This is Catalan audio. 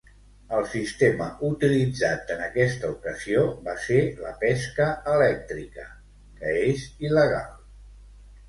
El sistema utilitzat en aquesta ocasió va ser la pesca elèctrica, que és il·legal.